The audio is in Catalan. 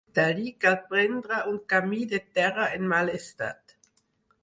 D'allí cal prendre un camí de terra en mal estat.